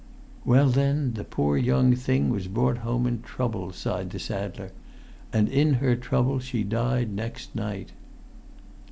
"Well, then, the poor young thing was brought home in trouble," sighed the saddler. "And in her trouble she died next night."